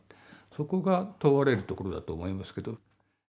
そこが問われるところだと思いますけど。